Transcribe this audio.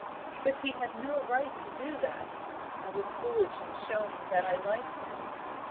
But he had no right to do that I was foolish in showing that I liked him.